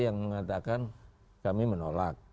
yang mengatakan kami menolak